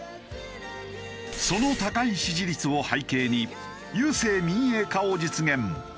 その高い支持率を背景に郵政民営化を実現。